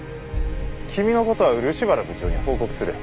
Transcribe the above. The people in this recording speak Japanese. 君の事は漆原部長に報告する。